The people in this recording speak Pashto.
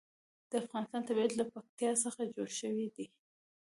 د افغانستان طبیعت له پکتیا څخه جوړ شوی دی.